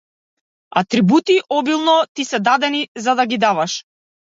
Атрибути обилно ти се дадени за да ги даваш!